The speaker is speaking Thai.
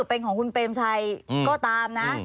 เป็นของคุณเปรมชัยก็ตามนะ